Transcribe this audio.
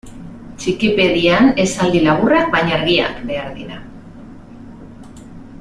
Txikipedian esaldi laburrak baina argiak behar dira.